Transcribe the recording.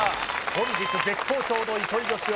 本日絶好調の糸井嘉男